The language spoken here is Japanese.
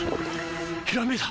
ひらめいた！